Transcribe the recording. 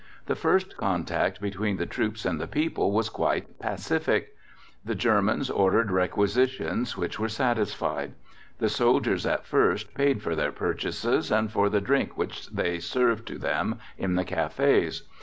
The first contact between the troops and the people was quite pacific. The Germans ordered requisitions, which were satisfied. The soldiers at first paid for their purchases and for the drink which they served to them in the Cafes.